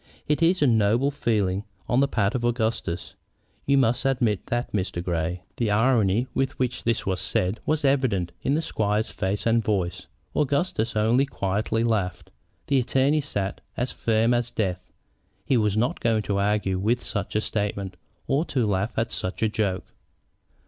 It is a noble feeling on the part of Augustus; you must admit that, Mr. Grey." The irony with which this was said was evident in the squire's face and voice. Augustus only quietly laughed. The attorney sat as firm as death. He was not going to argue with such a statement or to laugh at such a joke.